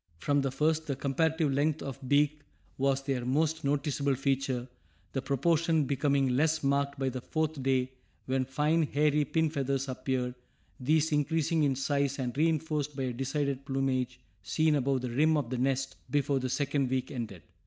From the first, the comparative length of beak was their most noticeable feature, the proportion becoming less marked by the fourth day when fine hairy pin feathers appeared, these increasing in size and reinforced by a decided plumage seen above the rim of the nest before the second week ended.